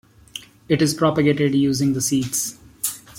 It is propagated using the seeds.